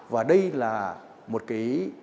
và đây là một cái